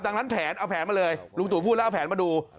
ดังนั้นแผนเอาแผนมาเลยลุงตุพูดแล้ว